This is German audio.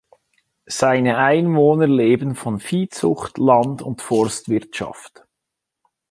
Seine Einwohner leben von Viehzucht, Land- und Forstwirtschaft.